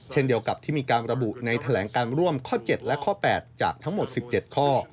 เช่นเดียวกับที่มีการระบุในแถลงการร่วมข้อ๗และข้อ๘จากทั้งหมด๑๗ข้อ